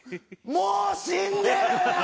もう死んでる！